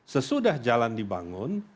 sesudah jalan dibangun